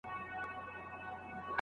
زوی د پلار خبره اوري.